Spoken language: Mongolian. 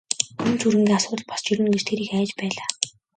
Өмч хөрөнгийн асуудал босож ирнэ гэж тэр их айж байлаа.